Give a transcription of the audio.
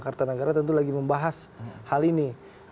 kartanegara tentu lagi membahas hal ini